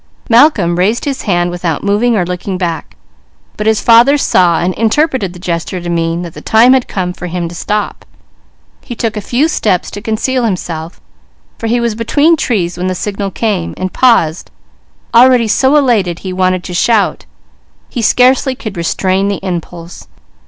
Malcolm raised his hand without moving or looking back, but his father saw, and interpreted the gesture to mean that the time had come for him to stop. He took a few steps to conceal himself, for he was between trees when the signal came, and paused, already so elated he wanted to shout; he scarcely could restrain the impulse.